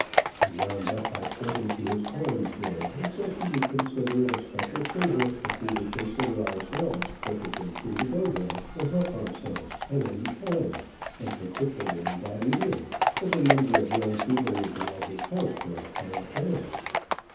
He wound up by pointing to his orange grove, and said he would consider it a special favor if we would consider ourselves perfectly free to go there and help ourselves at any time, and particularly that evening, as a number of young people would be at his house for a quiet dance.